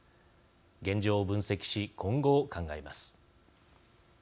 現状を分析し、今後を考えます。